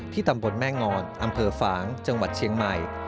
ตำบลแม่งอนอำเภอฝางจังหวัดเชียงใหม่